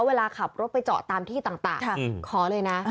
เวลาขับรถไปเจาะตามที่ต่างขอเลยนะ